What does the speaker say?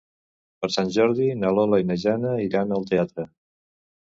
Per Sant Jordi na Lola i na Jana iran al teatre.